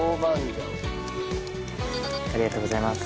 ありがとうございます。